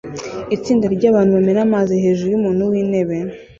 Itsinda ryabantu bamena amazi hejuru yumuntu wintebe